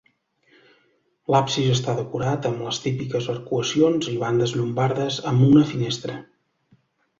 L'absis està decorat amb les típiques arcuacions i bandes llombardes, amb una finestra.